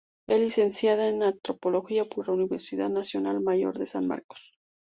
Es Licenciada en Antropología por la Universidad Nacional Mayor de San Marcos.